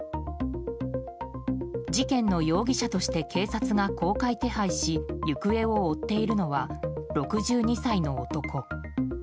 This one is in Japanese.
事件の容疑者として警察が公開手配し行方を追っているのは６２歳の男。